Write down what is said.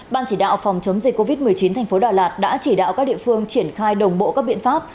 ban chỉ đạo phòng chống dịch covid một mươi chín thành phố đà lạt đã chỉ đạo các địa phương triển khai đồng bộ các biện pháp